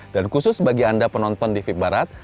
dan khusus bagi anda penonton di vip barat